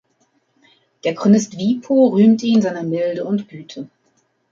Der Chronist Wipo rühmt ihn seiner Milde und Güte.